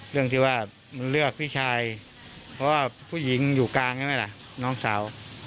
เรื่องที่ว่ามึงเลือกพี่ชายเพราะว่าผู้หญิงอยู่กลางใช่ไหมล่ะน้องสาว